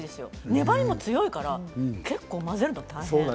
ねばりも強いから、結構混ぜるの大変。